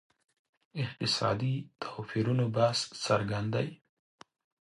اقتصادي توپیرونو بحث څرګند دی.